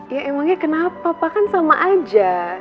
ya emangnya kenapa pak kan sama aja